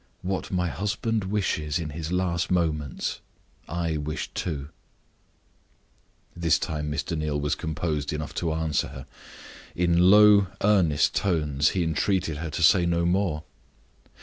"What my husband wishes in his last moments, I wish too." This time Mr. Neal was composed enough to answer her. In low, earnest tones, he entreated her to say no more.